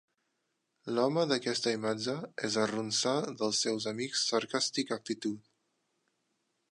L'home d'aquesta imatge es arronsar dels seus amics sarcàstic actitud